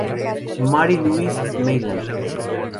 Marie-Louise Meilland".